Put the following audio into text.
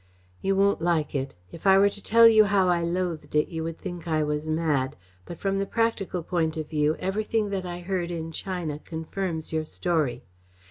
You won't like it. If I were to tell you how I loathed it you would think I was mad, but from the practical point of view everything that I heard in China confirms your story.